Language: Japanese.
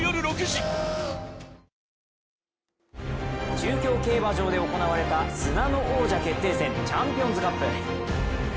中京競馬場で行われた砂の王者決定戦、チャンピオンズカップ。